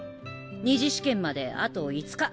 ２次試験まであと５日。